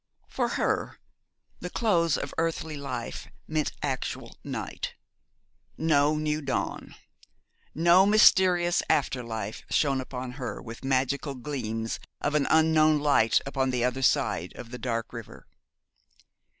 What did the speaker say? For her the close of earthly life meant actual night. No new dawn, no mysterious after life shone upon her with magical gleams of an unknown light upon the other side of the dark river.